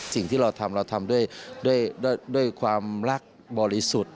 สิ่งที่เราทำเราทำด้วยความรักบริสุทธิ์